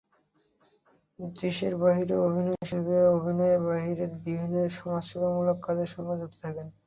দেশের বাইরের অভিনয়শিল্পীরা অভিনয়ের বাইরে বিভিন্ন সমাজসেবামূলক কাজের সঙ্গে যুক্ত থাকে।